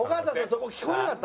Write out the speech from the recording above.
そこ聞こえなかった？